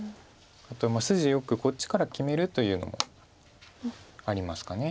あとは筋よくこっちから決めるというのもありますか。